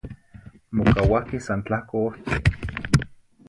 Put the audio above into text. Mocauaquih san tlahco ohtli